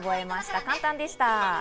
簡単でした。